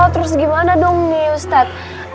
terus gimana dong nih ustadz